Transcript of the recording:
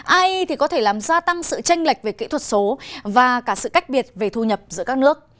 ai thì có thể làm gia tăng sự tranh lệch về kỹ thuật số và cả sự cách biệt về thu nhập giữa các nước